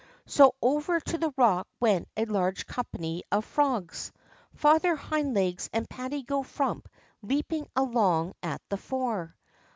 So over to the rock went a large company of frogs. Father Hind Legs and Patty go Frump leaping along at the fore.